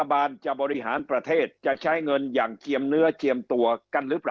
บานจะบริหารประเทศจะใช้เงินอย่างเจียมเนื้อเจียมตัวกันหรือเปล่า